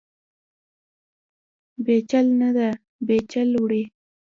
بیجل نه ده، بیجل وړي.